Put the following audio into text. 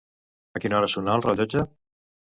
A quina hora sonà el rellotge?